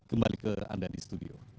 kembali ke anda di studio